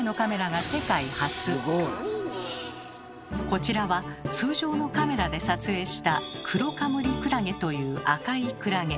こちらは通常のカメラで撮影したクロカムリクラゲという赤いクラゲ。